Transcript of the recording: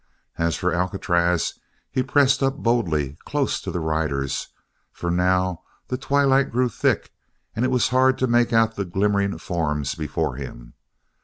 As for Alcatraz, he had pressed up boldly, close to the riders, for now the twilight grew thick and it was hard to make out the glimmering forms before him.